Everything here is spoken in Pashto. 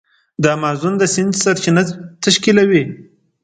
د امازون د سیند سرچینه تشکیلوي.